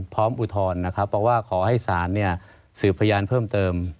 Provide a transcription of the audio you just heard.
พร้อมอุทรนะคะเพราะว่าขอให้สารสืบพยาลค์เพิ่มเติม